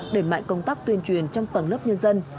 để mạnh công tác tuyên truyền trong tầng lớp nhân dân